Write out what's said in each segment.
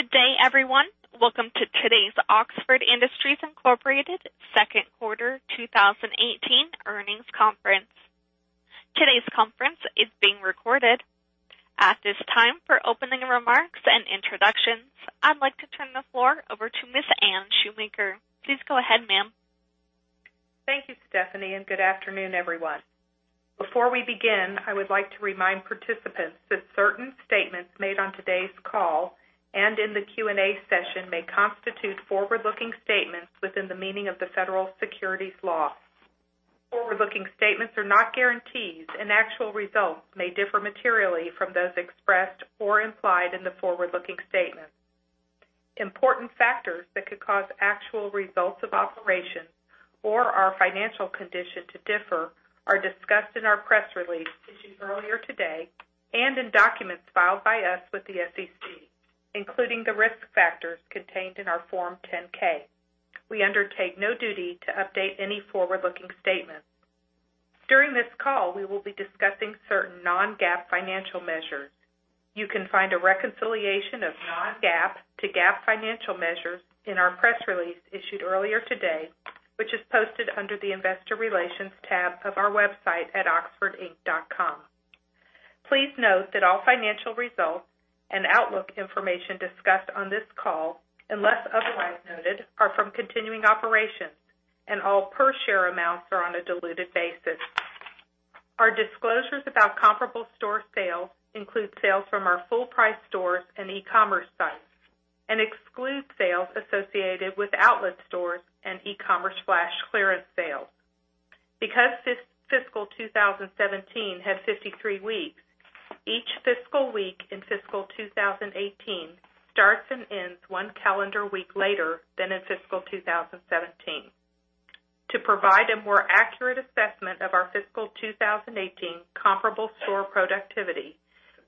Good day, everyone. Welcome to today's Oxford Industries, Inc. Second Quarter 2018 Earnings Conference. Today's conference is being recorded. At this time, for opening remarks and introductions, I'd like to turn the floor over to Ms. Anne Shoemaker. Please go ahead, ma'am. Thank you, Stephanie, and good afternoon, everyone. Before we begin, I would like to remind participants that certain statements made on today's call and in the Q&A session may constitute forward-looking statements within the meaning of the federal securities law. Forward-looking statements are not guarantees, and actual results may differ materially from those expressed or implied in the forward-looking statements. Important factors that could cause actual results of operations or our financial condition to differ are discussed in our press release issued earlier today and in documents filed by us with the SEC, including the risk factors contained in our Form 10-K. We undertake no duty to update any forward-looking statements. During this call, we will be discussing certain non-GAAP financial measures. You can find a reconciliation of non-GAAP to GAAP financial measures in our press release issued earlier today, which is posted under the Investor Relations tab of our website at oxfordinc.com. Please note that all financial results and outlook information discussed on this call, unless otherwise noted, are from continuing operations, all per share amounts are on a diluted basis. Our disclosures about comparable store sales include sales from our full price stores and e-commerce sites and exclude sales associated with outlet stores and e-commerce flash clearance sales. Because fiscal 2017 had 53 weeks, each fiscal week in fiscal 2018 starts and ends one calendar week later than in fiscal 2017. To provide a more accurate assessment of our fiscal 2018 comparable store productivity,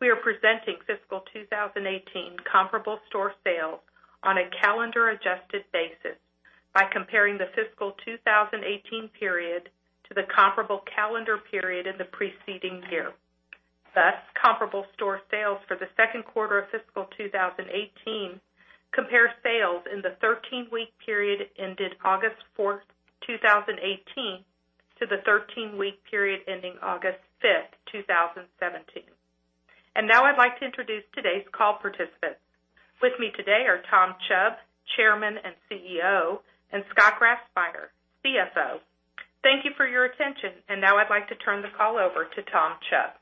we are presenting fiscal 2018 comparable store sales on a calendar adjusted basis by comparing the fiscal 2018 period to the comparable calendar period in the preceding year. Thus, comparable store sales for the second quarter of fiscal 2018 compare sales in the 13 week period ended August 4th, 2018, to the 13 week period ending August 5th, 2017. Now I'd like to introduce today's call participants. With me today are Tom Chubb, Chairman and CEO, and Scott Grassmyer, CFO. Thank you for your attention. Now I'd like to turn the call over to Tom Chubb.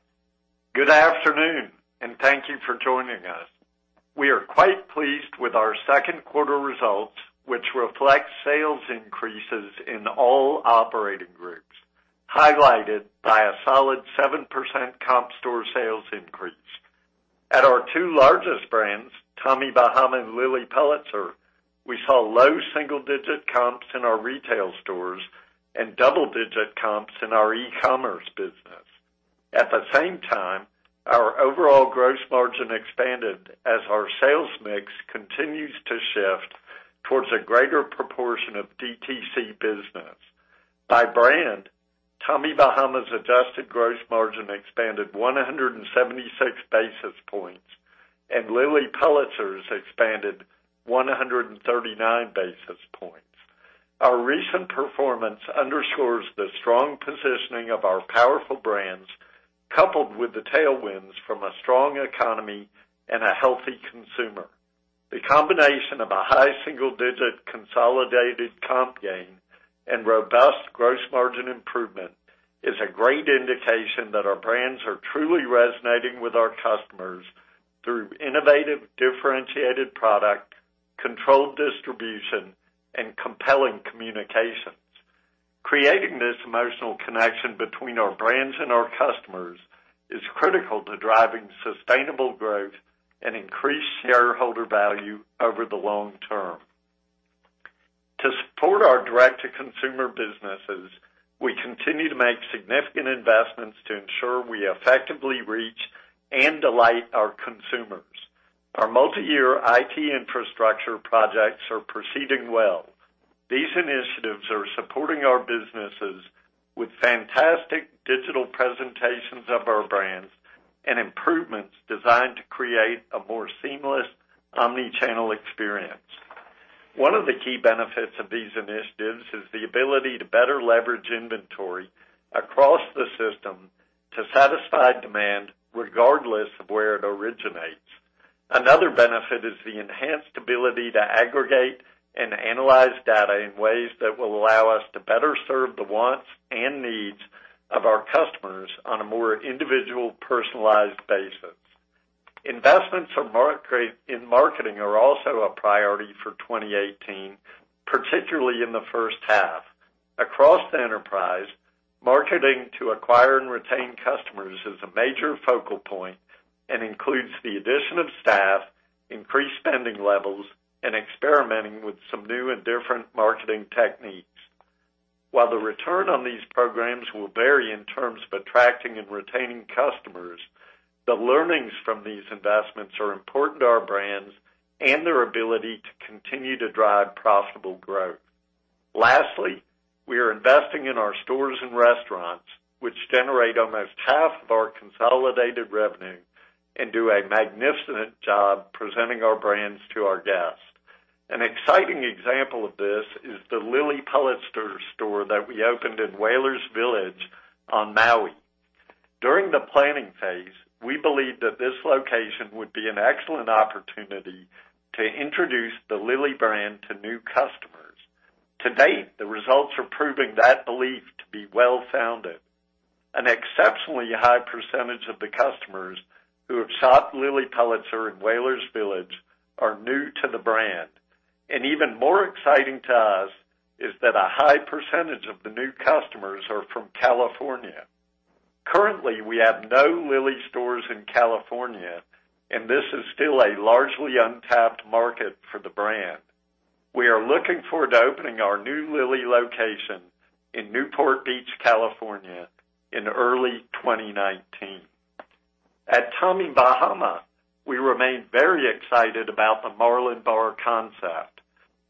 Good afternoon, and thank you for joining us. We are quite pleased with our second quarter results, which reflect sales increases in all operating groups, highlighted by a solid 7% comp store sales increase. At our two largest brands, Tommy Bahama and Lilly Pulitzer, we saw low single digit comps in our retail stores and double digit comps in our e-commerce business. At the same time, our overall gross margin expanded as our sales mix continues to shift towards a greater proportion of DTC business. By brand, Tommy Bahama's adjusted gross margin expanded 176 basis points, and Lilly Pulitzer's expanded 139 basis points. Our recent performance underscores the strong positioning of our powerful brands, coupled with the tailwinds from a strong economy and a healthy consumer. The combination of a high single digit consolidated comp gain and robust gross margin improvement is a great indication that our brands are truly resonating with our customers through innovative, differentiated product, controlled distribution, and compelling communications. Creating this emotional connection between our brands and our customers is critical to driving sustainable growth and increased shareholder value over the long term. To support our direct to consumer businesses, we continue to make significant investments to ensure we effectively reach and delight our consumers. Our multi-year IT infrastructure projects are proceeding well. These initiatives are supporting our businesses with fantastic digital presentations of our brands and improvements designed to create a more seamless omni-channel experience. One of the key benefits of these initiatives is the ability to better leverage inventory across the system to satisfy demand regardless of where it originates. Another benefit is the enhanced ability to aggregate and analyze data in ways that will allow us to better serve the wants and needs of our customers on a more individual, personalized basis. Investments in marketing are also a priority for 2018, particularly in the first half. Across the enterprise, marketing to acquire and retain customers is a major focal point and includes the addition of staff, increased spending levels, and experimenting with some new and different marketing techniques. While the return on these programs will vary in terms of attracting and retaining customers, the learnings from these investments are important to our brands and their ability to continue to drive profitable growth. Lastly, we are investing in our stores and restaurants, which generate almost half of our consolidated revenue and do a magnificent job presenting our brands to our guests. An exciting example of this is the Lilly Pulitzer store that we opened in Whalers Village on Maui. During the planning phase, we believed that this location would be an excellent opportunity to introduce the Lilly brand to new customers. To date, the results are proving that belief to be well-founded. An exceptionally high percentage of the customers who have shopped Lilly Pulitzer in Whalers Village are new to the brand, and even more exciting to us is that a high percentage of the new customers are from California. Currently, we have no Lilly stores in California, and this is still a largely untapped market for the brand. We are looking forward to opening our new Lilly location in Newport Beach, California, in early 2019. At Tommy Bahama, we remain very excited about the Marlin Bar concept.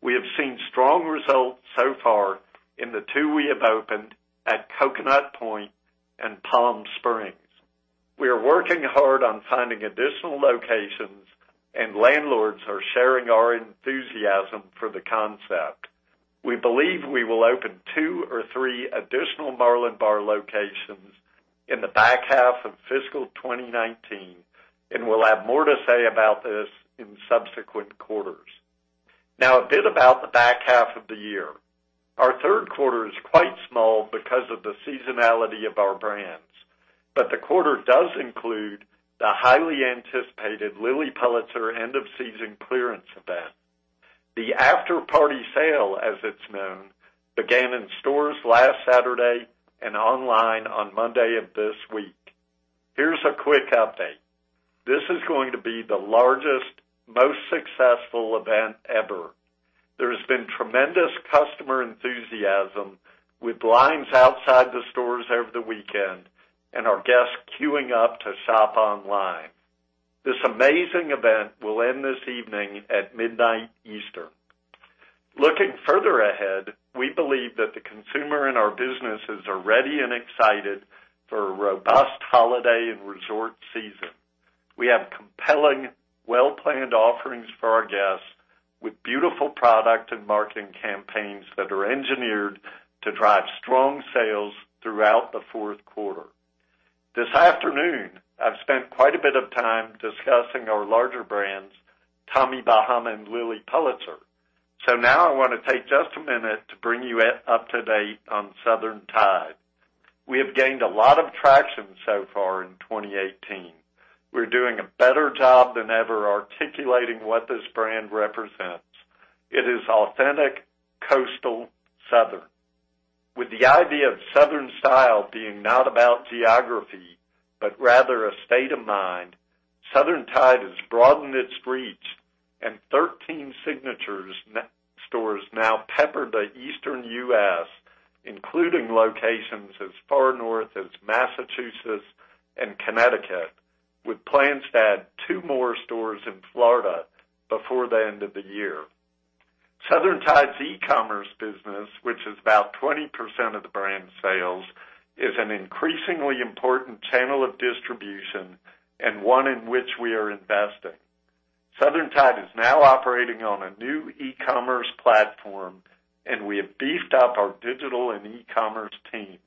We have seen strong results so far in the two we have opened at Coconut Point and Palm Springs. We are working hard on finding additional locations, and landlords are sharing our enthusiasm for the concept. We believe we will open two or three additional Marlin Bar locations in the back half of fiscal 2019, and we'll have more to say about this in subsequent quarters. A bit about the back half of the year. Our third quarter is quite small because of the seasonality of our brands, but the quarter does include the highly anticipated Lilly Pulitzer end of season clearance event. The After Party Sale, as it's known, began in stores last Saturday and online on Monday of this week. Here's a quick update. This is going to be the largest, most successful event ever. There has been tremendous customer enthusiasm, with lines outside the stores over the weekend and our guests queuing up to shop online. This amazing event will end this evening at midnight Eastern. Looking further ahead, we believe that the consumer in our businesses are ready and excited for a robust holiday and resort season. We have compelling, well-planned offerings for our guests with beautiful product and marketing campaigns that are engineered to drive strong sales throughout the fourth quarter. This afternoon, I've spent quite a bit of time discussing our larger brands, Tommy Bahama and Lilly Pulitzer. I want to take just a minute to bring you up to date on Southern Tide. We have gained a lot of traction so far in 2018. We're doing a better job than ever articulating what this brand represents. It is authentic, coastal, Southern. With the idea of Southern style being not about geography, but rather a state of mind, Southern Tide has broadened its reach, and 13 signature stores now pepper the Eastern U.S., including locations as far north as Massachusetts and Connecticut, with plans to add two more stores in Florida before the end of the year. Southern Tide's e-commerce business, which is about 20% of the brand's sales, is an increasingly important channel of distribution and one in which we are investing. Southern Tide is now operating on a new e-commerce platform, and we have beefed up our digital and e-commerce teams.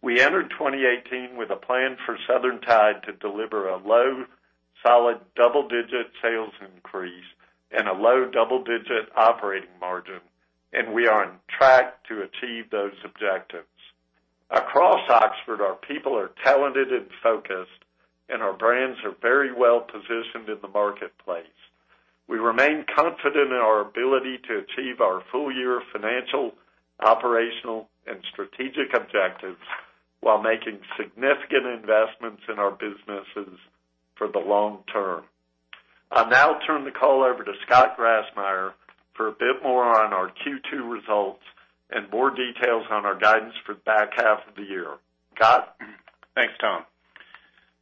We entered 2018 with a plan for Southern Tide to deliver a low, solid double-digit sales increase and a low double-digit operating margin, and we are on track to achieve those objectives. Across Oxford, our people are talented and focused, and our brands are very well positioned in the marketplace. We remain confident in our ability to achieve our full year financial, operational, and strategic objectives while making significant investments in our businesses for the long term. I'll now turn the call over to Scott Grassmyer for a bit more on our Q2 results and more details on our guidance for the back half of the year. Scott? Thanks, Tom.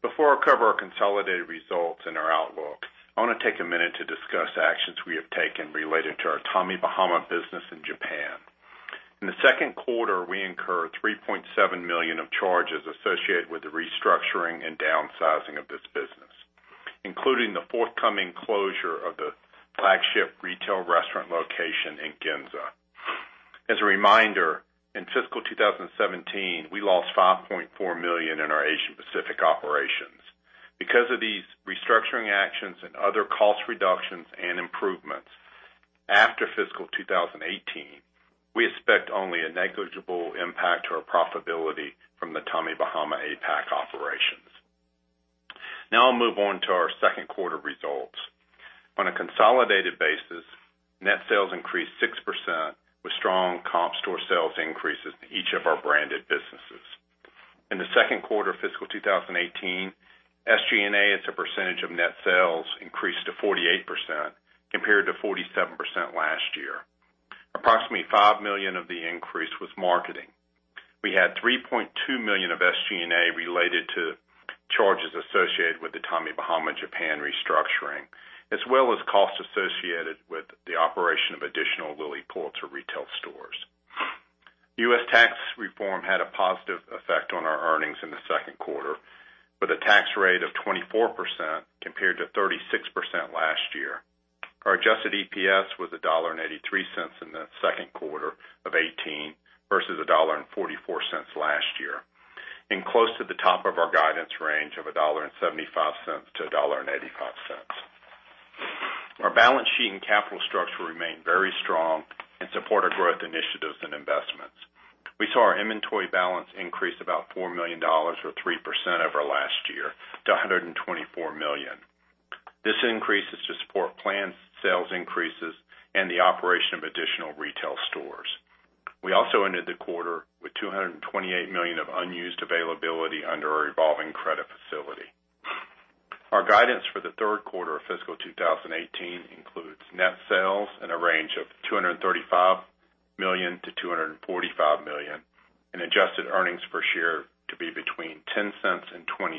Before I cover our consolidated results and our outlook, I want to take a minute to discuss actions we have taken related to our Tommy Bahama business in Japan. In the second quarter, we incurred $3.7 million of charges associated with the restructuring and downsizing of this business, including the forthcoming closure of the flagship retail restaurant location in Ginza. As a reminder, in fiscal 2017, we lost $5.4 million in our Asia-Pacific operations. Because of these restructuring actions and other cost reductions and improvements, after fiscal 2018, we expect only a negligible impact to our profitability from the Tommy Bahama APAC operations. Now I'll move on to our second quarter results. On a consolidated basis, net sales increased 6% with strong comp store sales increases in each of our branded businesses. In the second quarter of fiscal 2018, SG&A, as a percentage of net sales, increased to 48% compared to 47% last year. Approximately $5 million of the increase was marketing. We had $3.2 million of SG&A associated with the Tommy Bahama Japan restructuring, as well as costs associated with the operation of additional Lilly Pulitzer retail stores. U.S. tax reform had a positive effect on our earnings in the second quarter, with a tax rate of 24% compared to 36% last year. Our adjusted EPS was $1.83 in the second quarter of 2018 versus $1.44 last year, and close to the top of our guidance range of $1.75-$1.85. Our balance sheet and capital structure remain very strong and support our growth initiatives and investments. We saw our inventory balance increase about $4 million, or 3% over last year, to $124 million. This increase is to support planned sales increases and the operation of additional retail stores. We also ended the quarter with $228 million of unused availability under our revolving credit facility. Our guidance for the third quarter of fiscal 2018 includes net sales in a range of $235 million-$245 million, and adjusted earnings per share to be between $0.10 and $0.20.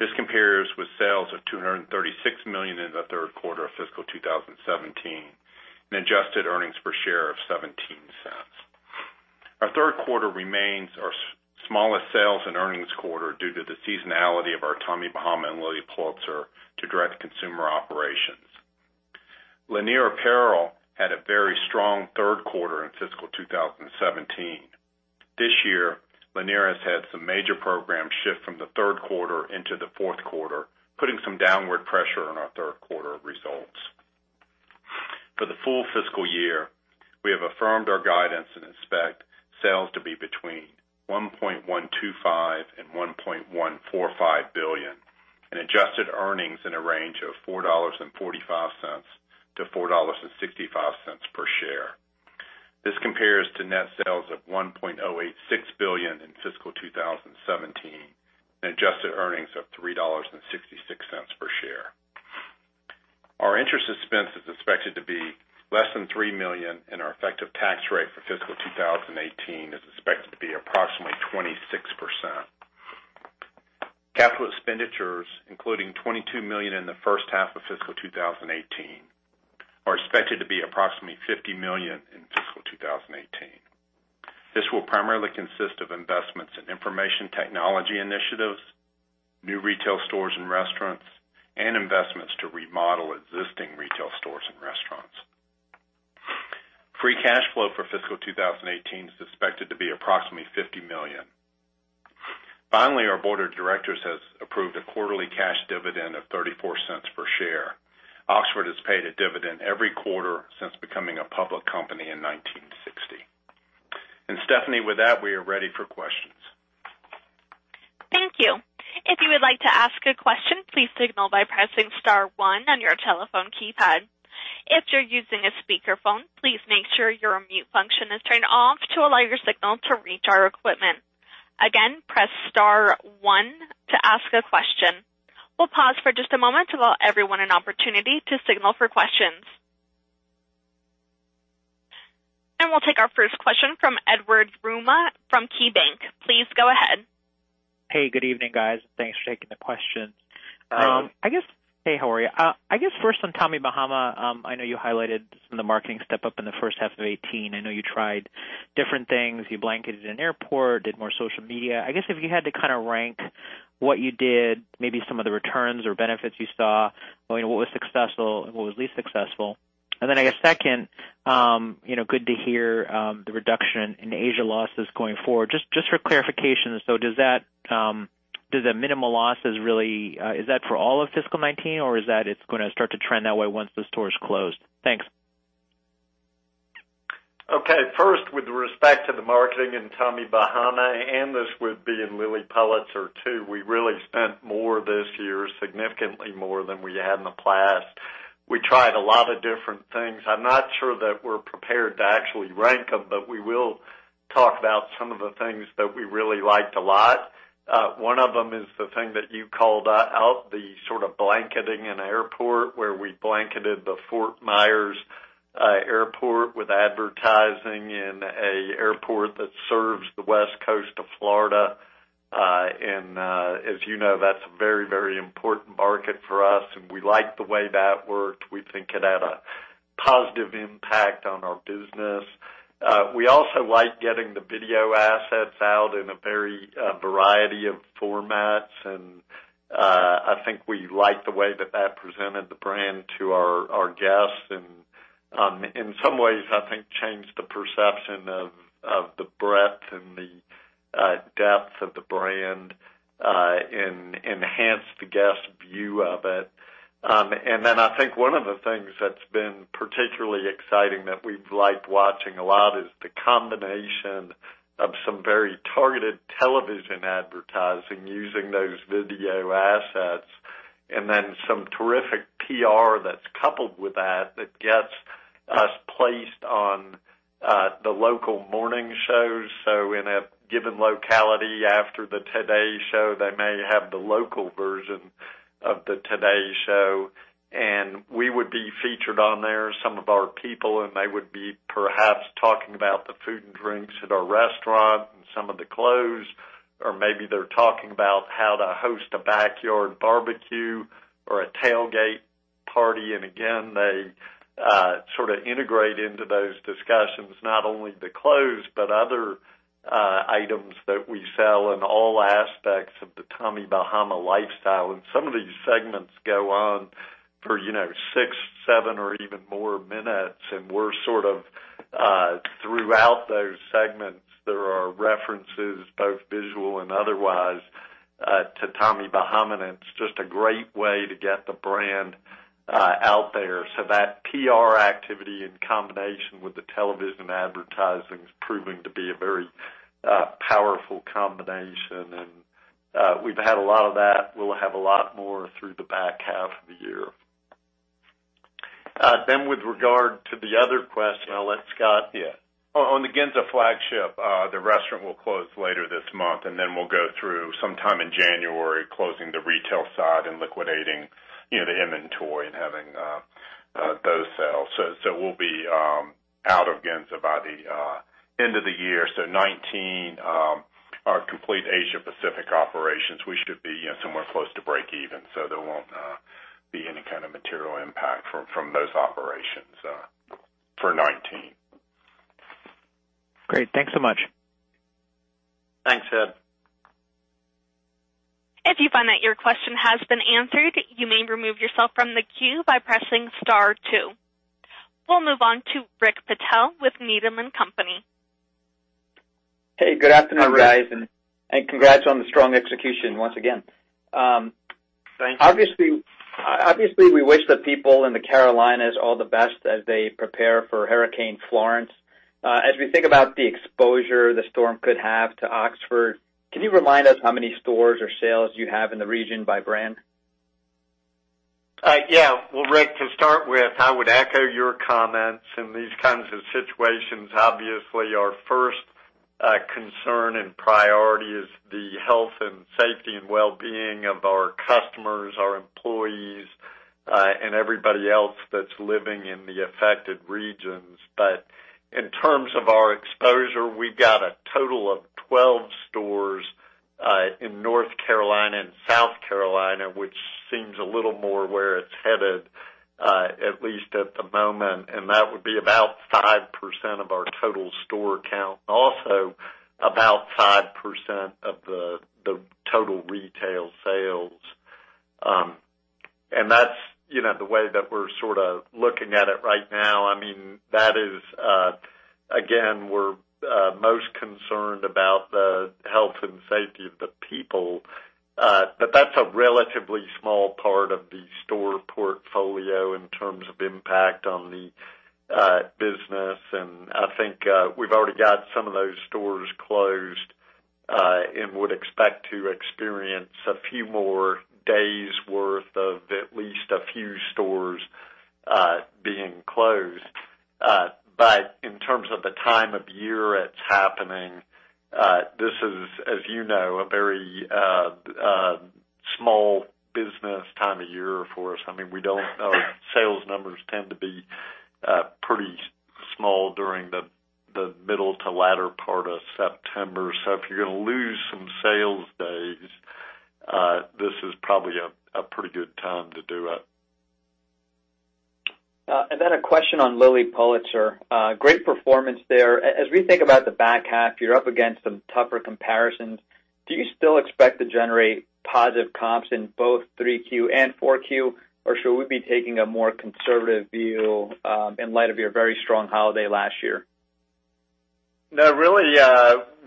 This compares with sales of $236 million in the third quarter of fiscal 2017, and adjusted earnings per share of $0.17. Our third quarter remains our smallest sales and earnings quarter due to the seasonality of our Tommy Bahama and Lilly Pulitzer direct consumer operations. Lanier Apparel had a very strong third quarter in fiscal 2017. This year, Lanier has had some major programs shift from the third quarter into the fourth quarter, putting some downward pressure on our third quarter results. For the full fiscal year, we have affirmed our guidance and expect sales to be between $1.125 billion and $1.145 billion and adjusted earnings in a range of $4.45-$4.65 per share. This compares to net sales of $1.086 billion in fiscal 2017 and adjusted earnings of $3.66 per share. Our interest expense is expected to be less than $3 million, and our effective tax rate for fiscal 2018 is expected to be approximately 26%. Capital expenditures, including $22 million in the first half of fiscal 2018, are expected to be approximately $50 million in fiscal 2018. This will primarily consist of investments in information technology initiatives, new retail stores and restaurants, and investments to remodel existing retail stores and restaurants. Free cash flow for fiscal 2018 is expected to be approximately $50 million. Finally, our board of directors has approved a quarterly cash dividend of $0.34 per share. Oxford has paid a dividend every quarter since becoming a public company in 1960. Stephanie, with that, we are ready for questions. Thank you. If you would like to ask a question, please signal by pressing star 1 on your telephone keypad. If you're using a speakerphone, please make sure your mute function is turned off to allow your signal to reach our equipment. Again, press star 1 to ask a question. We'll pause for just a moment to allow everyone an opportunity to signal for questions. We'll take our first question from Edward Yruma from KeyBanc. Please go ahead. Hey, good evening, guys. Thanks for taking the questions. Hello. Hey, how are you? I guess first on Tommy Bahama, I know you highlighted some of the marketing step-up in the first half of 2018. I know you tried different things. You blanketed an airport, did more social media. I guess if you had to kind of rank what you did, maybe some of the returns or benefits you saw, what was successful and what was least successful? Then I guess second, good to hear the reduction in Asia losses going forward. Just for clarification, so does that minimal losses really Is that for all of fiscal 2019, or is that it's going to start to trend that way once the stores closed? Thanks. Okay. First, with respect to the marketing in Tommy Bahama, and this would be in Lilly Pulitzer, too, we really spent more this year, significantly more than we had in the past. We tried a lot of different things. I'm not sure that we're prepared to actually rank them, but we will talk about some of the things that we really liked a lot. One of them is the thing that you called out, the sort of blanketing an airport where we blanketed the Fort Myers Airport with advertising in an airport that serves the West Coast of Florida. As you know, that's a very, very important market for us, and we like the way that worked. We think it had a positive impact on our business. We also like getting the video assets out in a variety of formats, and I think we like the way that that presented the brand to our guests, and in some ways, I think changed the perception of the breadth and the depth of the brand and enhanced the guest view of it. Then I think one of the things that's been particularly exciting that we've liked watching a lot is the combination of some very targeted television advertising using those video assets and then some terrific PR that's coupled with that that gets us placed on the local morning shows. In a given locality after The Today Show, they may have the local Of The Today Show, we would be featured on there, some of our people, and they would be perhaps talking about the food and drinks at our restaurant and some of the clothes. Maybe they're talking about how to host a backyard barbecue or a tailgate party. Again, they sort of integrate into those discussions, not only the clothes but other items that we sell and all aspects of the Tommy Bahama lifestyle. Some of these segments go on for six, seven, or even more minutes. We're sort of throughout those segments, there are references, both visual and otherwise, to Tommy Bahama, and it's just a great way to get the brand out there. That PR activity in combination with the television advertising is proving to be a very powerful combination. We've had a lot of that. We'll have a lot more through the back half of the year. With regard to the other question, I'll let Scott, yeah. On the Ginza flagship, the restaurant will close later this month, we'll go through sometime in January, closing the retail side and liquidating the inventory and having those sales. We'll be out of Ginza by the end of the year. 2019, our complete Asia Pacific operations, we should be somewhere close to breakeven. There won't be any kind of material impact from those operations for 2019. Great. Thanks so much. Thanks, Ed. If you find that your question has been answered, you may remove yourself from the queue by pressing star two. We'll move on to Rick Patel with Needham & Company. Hey, good afternoon, guys. Hi, Rick. Congrats on the strong execution once again. Thank you. We wish the people in the Carolinas all the best as they prepare for Hurricane Florence. As we think about the exposure the storm could have to Oxford, can you remind us how many stores or sales you have in the region by brand? Well, Rick, to start with, I would echo your comments. In these kinds of situations, obviously, our first concern and priority is the health and safety and wellbeing of our customers, our employees, and everybody else that's living in the affected regions. In terms of our exposure, we've got a total of 12 stores, in North Carolina and South Carolina, which seems a little more where it's headed, at least at the moment, and that would be about 5% of our total store count, and also about 5% of the total retail sales. That's the way that we're sort of looking at it right now. Again, we're most concerned about the health and safety of the people. That's a relatively small part of the store portfolio in terms of impact on the business. I think we've already got some of those stores closed, and would expect to experience a few more days worth of at least a few stores being closed. In terms of the time of year it's happening, this is, as you know, a very small business time of year for us. Our sales numbers tend to be pretty small during the middle to latter part of September. If you're going to lose some sales days, this is probably a pretty good time to do it. A question on Lilly Pulitzer. Great performance there. As we think about the back half, you're up against some tougher comparisons. Do you still expect to generate positive comps in both 3Q and 4Q, or should we be taking a more conservative view in light of your very strong holiday last year? No, really,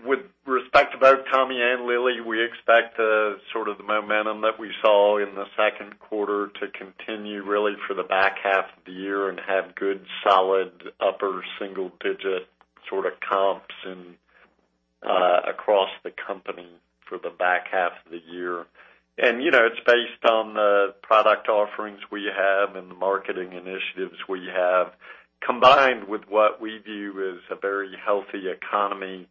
with respect to both Tommy and Lilly, we expect the sort of momentum that we saw in the second quarter to continue really for the back half of the year and have good, solid upper single digit sort of comps across the company for the back half of the year. It's based on the product offerings we have and the marketing initiatives we have, combined with what we view as a very healthy economy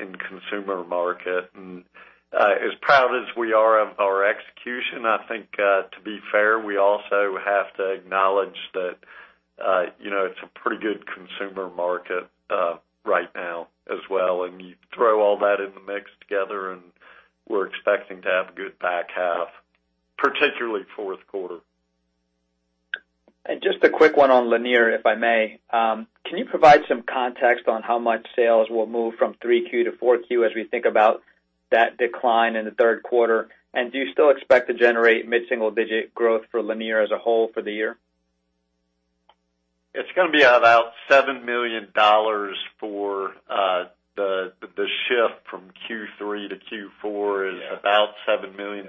in consumer market. As proud as we are of our execution, I think to be fair, we also have to acknowledge that it's a pretty good consumer market right now as well. You throw all that in the mix together, and we're expecting to have a good back half, particularly fourth quarter. Just a quick one on Lanier, if I may. Can you provide some context on how much sales will move from three Q to four Q as we think about that decline in the third quarter? Do you still expect to generate mid-single digit growth for Lanier as a whole for the year? It's going to be about $7 million for the shift from Q3 to Q4 is about $7 million.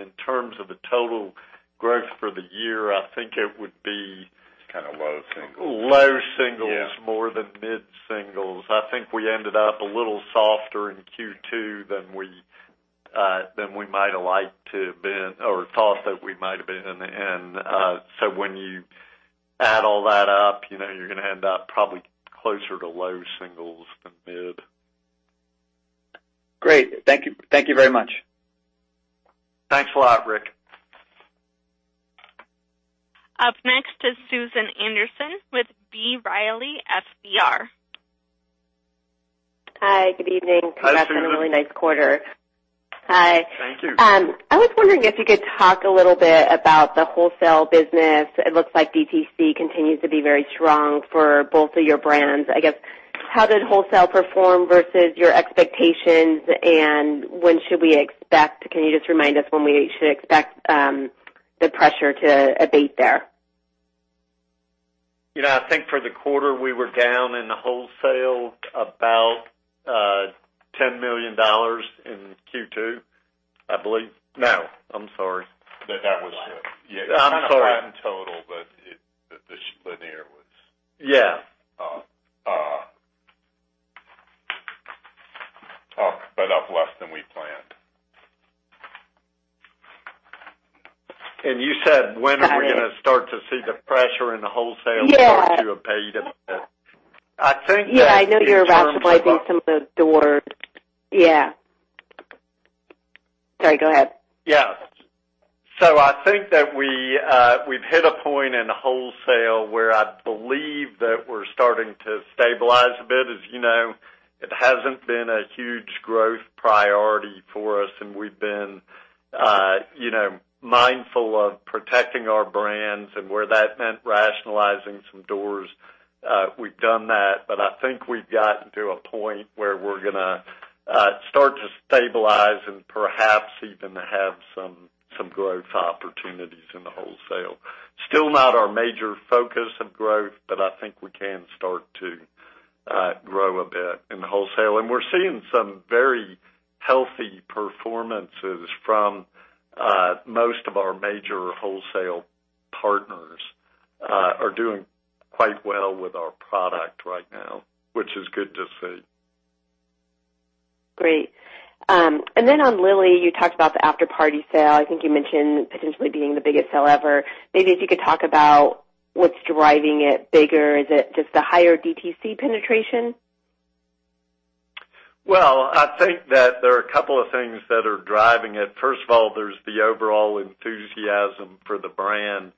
In terms of the total growth for the year, I think it would be- Kind of low singles low singles more than mid-singles. I think we ended up a little softer in Q2 than we might have liked to have been, or thought that we might have been. When you add all that up, you're going to end up probably closer to low singles than mid. Great. Thank you very much. Thanks a lot, Rick. Up next is Susan Anderson with B. Riley FBR. Hi, good evening. Hi, Susan. Congrats on a really nice quarter. Thank you. I was wondering if you could talk a little bit about the wholesale business. It looks like DTC continues to be very strong for both of your brands. I guess, how did wholesale perform versus your expectations, and can you just remind us when we should expect the pressure to abate there? I think for the quarter, we were down in the wholesale about $10 million in Q2, I believe. No, I'm sorry. That was flat. I'm sorry. Kind of flat in total, the Lanier. Yeah up less than we planned. You said, when are we going to start to see the pressure in the. Yeah to abate a bit? I know you're rationalizing some of the doors. Yeah. Sorry, go ahead. I think that we've hit a point in wholesale where I believe that we're starting to stabilize a bit. As you know, it hasn't been a huge growth priority for us, and we've been mindful of protecting our brands and where that meant rationalizing some doors. We've done that. I think we've gotten to a point where we're going to start to stabilize and perhaps even have some growth opportunities in the wholesale. Still not our major focus of growth. I think we can start to grow a bit in the wholesale, and we're seeing some very healthy performances from most of our major wholesale partners. Are doing quite well with our product right now, which is good to see. Great. On Lilly, you talked about the After Party Sale. I think you mentioned potentially being the biggest sale ever. Maybe if you could talk about what's driving it bigger. Is it just the higher DTC penetration? I think that there are a couple of things that are driving it. First of all, there's the overall enthusiasm for the brand.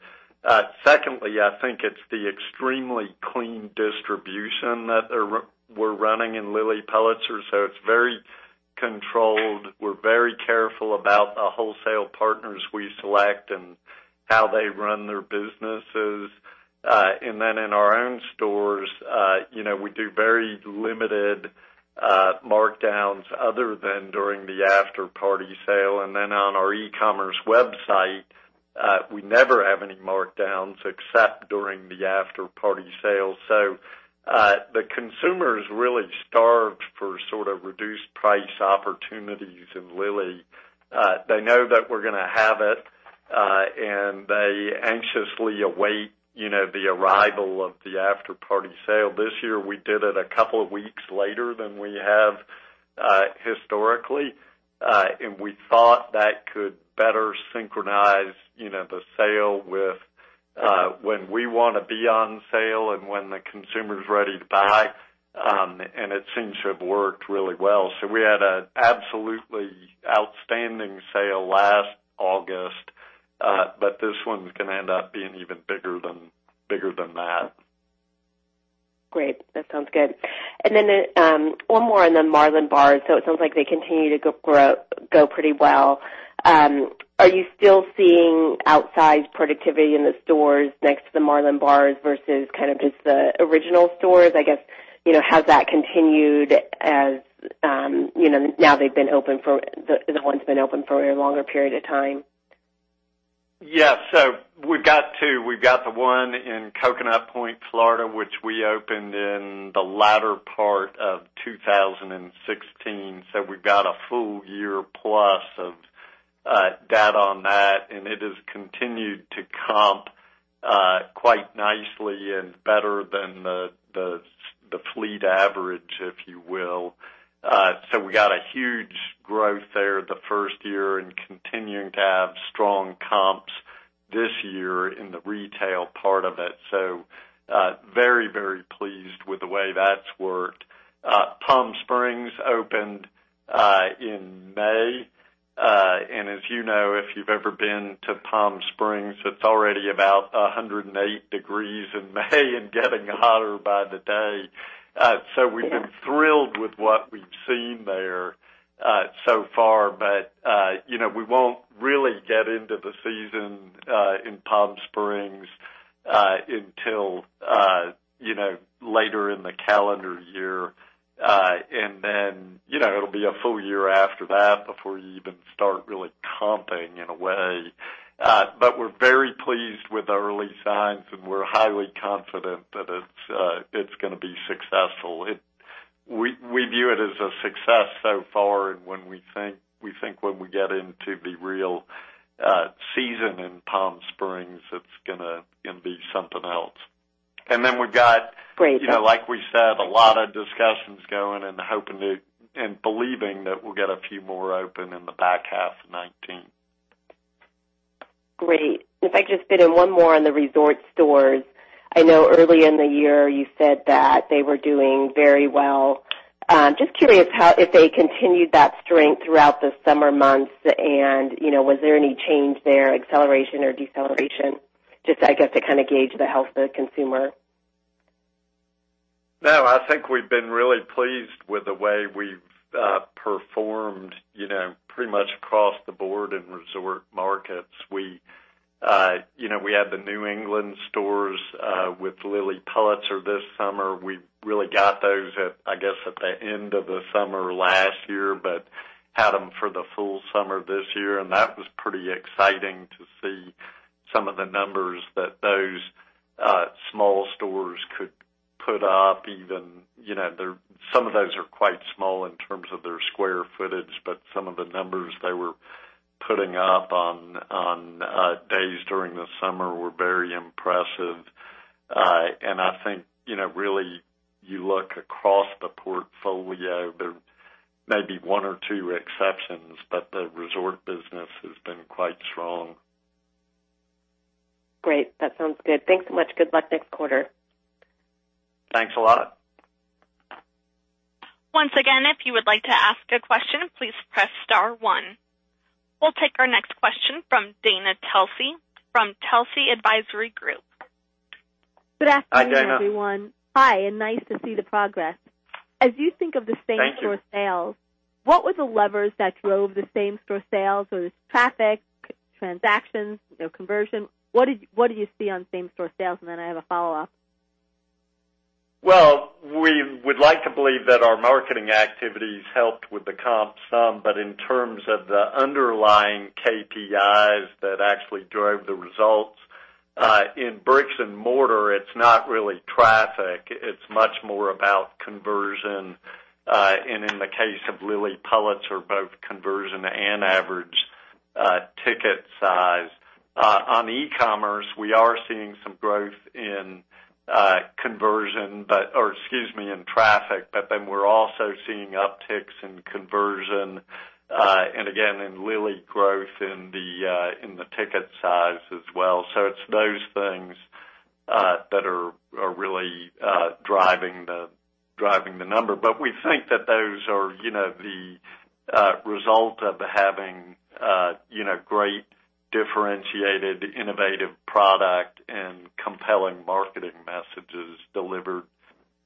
Secondly, I think it's the extremely clean distribution that we're running in Lilly Pulitzer. It's very controlled. We're very careful about the wholesale partners we select and how they run their businesses. In our own stores, we do very limited markdowns other than during the After Party Sale. On our e-commerce website, we never have any markdowns except during the After Party Sale. The consumer's really starved for sort of reduced price opportunities in Lilly. They know that we're going to have it, and they anxiously await the arrival of the After Party Sale. This year, we did it a couple of weeks later than we have historically. We thought that could better synchronize the sale with when we want to be on sale and when the consumer's ready to buy, it seems to have worked really well. We had an absolutely outstanding sale last August. This one's going to end up being even bigger than that. Great. That sounds good. Then, one more on the Marlin Bars. It sounds like they continue to go pretty well. Are you still seeing outsized productivity in the stores next to the Marlin Bars versus kind of just the original stores? I guess, has that continued as now the one's been open for a longer period of time? Yeah. We've got two. We've got the one in Coconut Point, Florida, which we opened in the latter part of 2016. We've got a full year-plus of data on that, it has continued to comp quite nicely and better than the fleet average, if you will. We got a huge growth there the first year and continuing to have strong comps this year in the retail part of it. Very, very pleased with the way that's worked. Palm Springs opened in May. As you know, if you've ever been to Palm Springs, it's already about 108 degrees in May and getting hotter by the day. We've been thrilled with what we've seen there so far. We won't really get into the season in Palm Springs until later in the calendar year. Then, it'll be a full year after that before you even start really comping in a way. We're very pleased with the early signs, we're highly confident that it's going to be successful. We view it as a success so far, we think when we get into the real season in Palm Springs, it's going to be something else. Great like we said, a lot of discussions going and hoping to, and believing that we'll get a few more open in the back half of 2019. Great. If I could just fit in one more on the resort stores. I know early in the year you said that they were doing very well. Just curious if they continued that strength throughout the summer months, and was there any change there, acceleration or deceleration? Just, I guess, to kind of gauge the health of the consumer. No, I think we've been really pleased with the way we've performed pretty much across the board in resort markets. We had the New England stores with Lilly Pulitzer this summer. We really got those, I guess, at the end of the summer last year, but had them for the full summer this year, and that was pretty exciting to see some of the numbers that those small stores could put up. Even some of those are quite small in terms of their square footage, but some of the numbers they were putting up on days during the summer were very impressive. I think, really, you look across the portfolio, there may be one or two exceptions, but the resort business has been quite strong. Great. That sounds good. Thanks so much. Good luck next quarter. Thanks a lot. Once again, if you would like to ask a question, please press star one. We'll take our next question from Dana Telsey from Telsey Advisory Group. Hi, Dana. Good afternoon, everyone. Hi, nice to see the progress. Thank you. As you think of the same-store sales, what were the levers that drove the same-store sales? Was it traffic, transactions, conversion? What do you see on same-store sales? Then I have a follow-up. Well, we would like to believe that our marketing activities helped with the comp some, in terms of the underlying KPIs that actually drove the results, in bricks and mortar, it's not really traffic. It's much more about conversion. In the case of Lilly Pulitzer, both conversion and average ticket size. On e-commerce, we are seeing some growth in conversion, or excuse me, in traffic, then we're also seeing upticks in conversion, and again, in Lilly, growth in the ticket size as well. It's those things that are really driving the number. We think that those are the result of having great differentiated, innovative product and compelling marketing messages delivered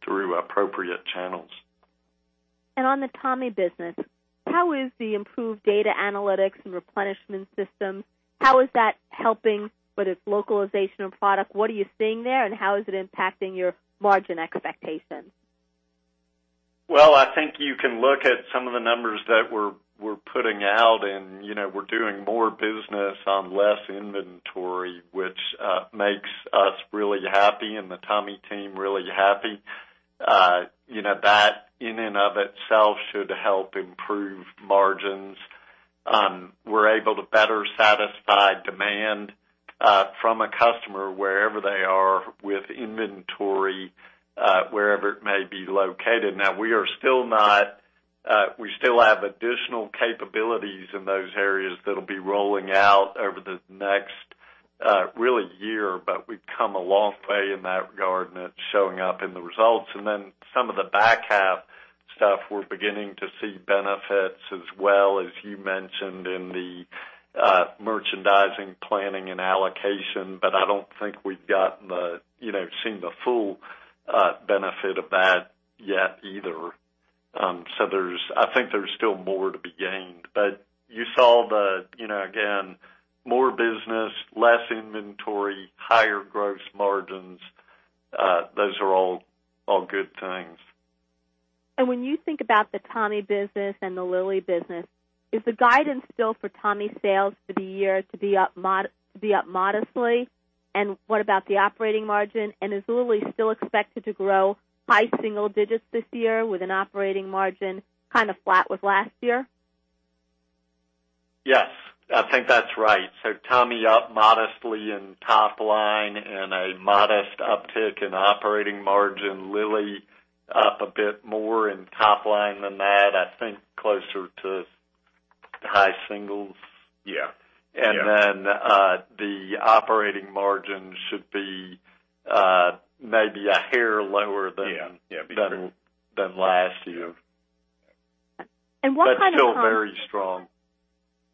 through appropriate channels. On the Tommy business, how is the improved data analytics and replenishment systems, how is that helping with its localization of product? What are you seeing there, and how is it impacting your margin expectations? I think you can look at some of the numbers that we're putting out and we're doing more business on less inventory, which makes us really happy and the Tommy team really happy. That in and of itself should help improve margins. We're able to better satisfy demand from a customer wherever they are with inventory, wherever it may be located. We still have additional capabilities in those areas that'll be rolling out over the next really year, but we've come a long way in that regard, and it's showing up in the results. Then some of the back half stuff, we're beginning to see benefits as well, as you mentioned in the merchandising, planning, and allocation. I don't think we've seen the full benefit of that yet either. I think there's still more to be gained. You saw the, again, more business, less inventory, higher gross margins. Those are all good things. When you think about the Tommy business and the Lilly business, is the guidance still for Tommy sales for the year to be up modestly? What about the operating margin? Is Lilly still expected to grow high single digits this year with an operating margin kind of flat with last year? Yes, I think that's right. Tommy up modestly in top line and a modest uptick in operating margin. Lilly up a bit more in top line than that. I think closer to high singles. Yeah. The operating margin should be maybe a hair lower than. Yeah, be true. last year. What kind of comps. Still very strong.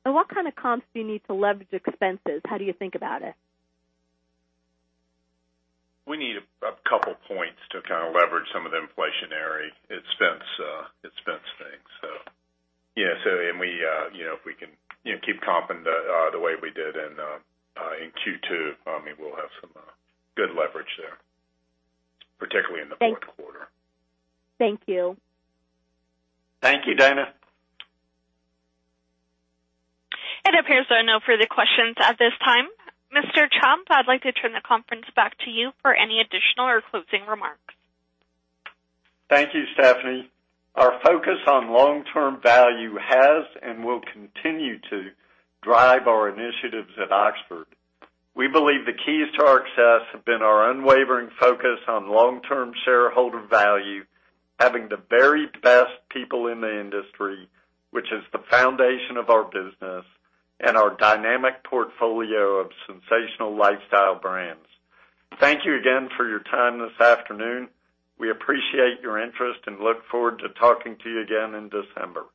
What kind of comps do you need to leverage expenses? How do you think about it? We need a couple points to kind of leverage some of the inflationary expense things. Yeah. If we can keep comping the way we did in Q2, we'll have some good leverage there, particularly in the fourth quarter. Thank you. Thank you, Dana. It appears there are no further questions at this time. Mr. Chubb, I'd like to turn the conference back to you for any additional or closing remarks. Thank you, Stephanie. Our focus on long-term value has and will continue to drive our initiatives at Oxford. We believe the keys to our success have been our unwavering focus on long-term shareholder value, having the very best people in the industry, which is the foundation of our business, and our dynamic portfolio of sensational lifestyle brands. Thank you again for your time this afternoon. We appreciate your interest and look forward to talking to you again in December.